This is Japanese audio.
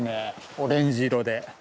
オレンジ色で。